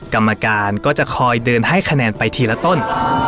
กรรมการก็จะคอยเดินให้คะแนนไปทีละต้น